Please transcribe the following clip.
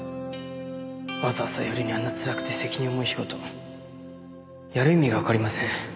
わざわざ夜にあんなつらくて責任重い仕事やる意味が分かりません